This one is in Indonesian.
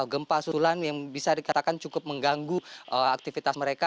gempa susulan yang bisa dikatakan cukup mengganggu aktivitas mereka